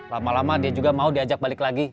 lama lama dia juga mau diajak balik lagi